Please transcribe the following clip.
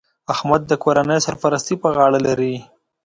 احمد د کورنۍ سرپرستي په غاړه لري